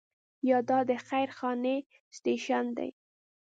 یا دا د خير خانې سټیشن دی.